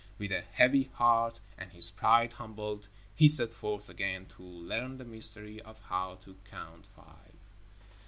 With a heavy heart, and his pride humbled, he set forth again to learn the mystery of how to Count Five.